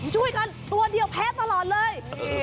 ช่วยกันตัวเดียวแพ้ตลอดเลย